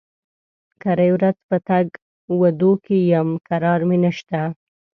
کرۍ ورځ په تګ و دو کې يم؛ کرار مې نشته.